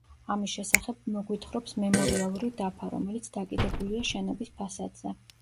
ამის შესახებ მოგვითხრობს მემორიალური დაფა, რომელიც დაკიდებულია შენობის ფასადზე.